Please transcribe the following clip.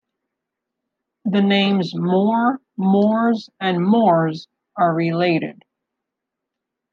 The names Moore, Moores and Mooers are related.